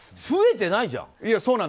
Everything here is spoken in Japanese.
増えてないじゃん。